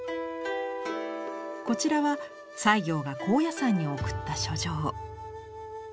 こちらは西行が高野山に送った書状。